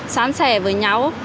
sán sẻ với nhau